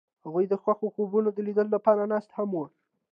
هغوی د خوښ خوبونو د لیدلو لپاره ناست هم وو.